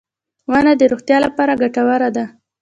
• ونه د روغتیا لپاره ګټوره ده.